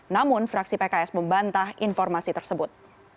namun fraksi pks membantah informasi tersebut